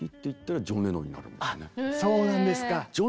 あっそうなんですか。